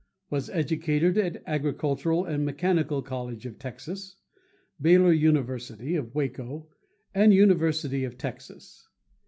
was educated at Agricultural and Mechanical College of Texas, Baylor University (of Waco), and University of Texas.